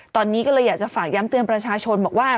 ตอนนี้ก็เลยอยากจะฝากย้ำเตือนประชาชนบอกว่า